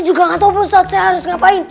jangan tau bosat saya harus ngapain